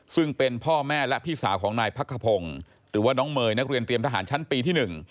ซึ่งเป็นพ่อแม่และพี่สาวของนายพักขพงศ์หรือว่าน้องเมย์นักเรียนเตรียมทหารชั้นปีที่๑